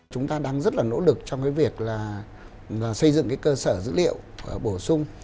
chúng ta đang rất là nỗ lực trong việc xây dựng cơ sở dữ liệu bổ sung